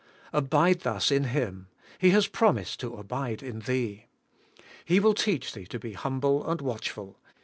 Abide thus in Him; He has promised to abide in thee. He will teach thee to be humble and watchful.